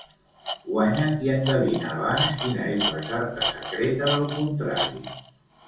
Guanya qui endevina abans quina és la carta secreta del contrari.